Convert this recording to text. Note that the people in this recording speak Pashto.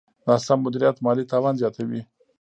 ناسم مدیریت مالي تاوان زیاتوي.